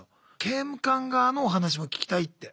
刑務官側のお話も聞きたいって。